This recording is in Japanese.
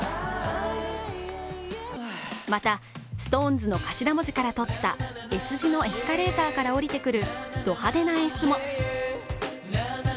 また、ＳｉｘＴＯＮＥＳの頭文字から取ったＳ字のエスカレーターから下りてくるド派手な演出も。